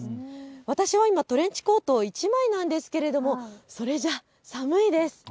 私は今、トレンチコート１枚なんですけど、それじゃ寒いです。